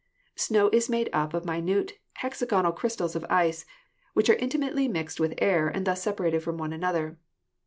Snow is made up of minute, hexagonal crystals of ice, which are intimately mixed with air and thus separated from one another.